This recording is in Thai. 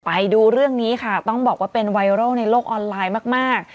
ไปดูเรื่องนี้ค่ะต้องบอกว่าเป็นไวรัลในโลกออนไลน์มาก